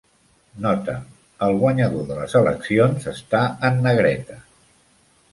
"Nota: el guanyador de les eleccions està en negreta."